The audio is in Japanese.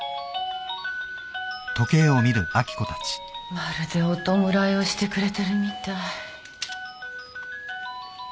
・まるでお弔いをしてくれてるみたい。